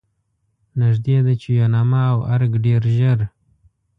نږدې ده چې یوناما او ارګ ډېر ژر.